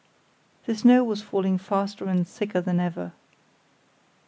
The snow was falling faster and thicker than ever.